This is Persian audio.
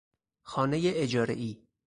خانهی اجارهای